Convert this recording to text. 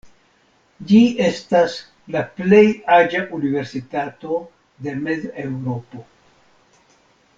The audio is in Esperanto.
Ĝi estas la plej aĝa universitato de Mez-Eŭropo.